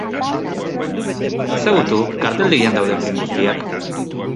Ezagutu karteldegian dauden film guztiak.